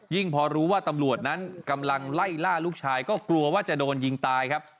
พอรู้ว่าตำรวจนั้นกำลังไล่ล่าลูกชายก็กลัวว่าจะโดนยิงตายครับ